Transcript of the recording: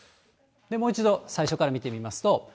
もう一度、最初から見てみますと。